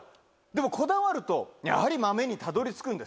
でもこだわるとやはり豆にたどり着くんです。